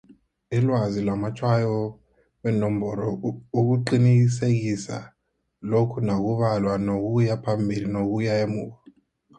Ilwazi lamatshwayo weenomboro ukuqinisekisa lokha nakubalwa ngokuya phambili nokuya emuva.